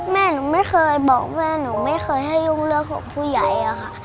แม่หนูไม่เคยบอกแม่หนูไม่เคยให้ยุ่งเรื่องของผู้ใหญ่อะค่ะ